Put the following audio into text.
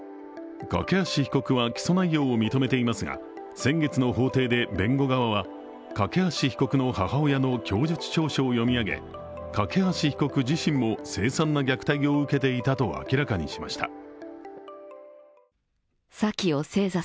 梯被告は基礎内容を認めていますが、先月の法廷で弁護側は梯被告の母親の供述調書を読み上げ、梯被告自身も凄惨な虐待を受けていたと明らかにしました。